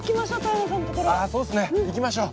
行きましょう。